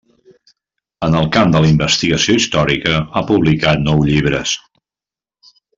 En el camp de la investigació històrica ha publicat nou llibres.